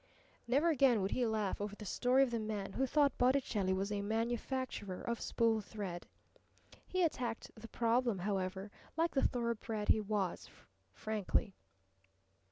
Never again would he laugh over the story of the man who thought Botticelli was a manufacturer of spool thread. He attacked the problem, however, like the thoroughbred he was frankly.